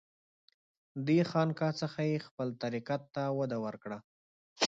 دې خانقاه څخه یې خپل طریقت ته وده ورکړه.